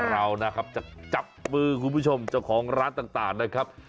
เรานะครับจะจับมือคุณผู้ชมเจ้าของร้านต่างนะครับ